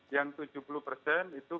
yang tujuh puluh persen itu